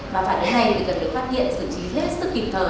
và phản ứng này thì cần được phát hiện xử trí hết sức kịp thời